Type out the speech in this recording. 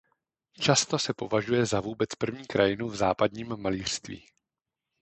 Často se považuje za vůbec první krajinu v západním malířství.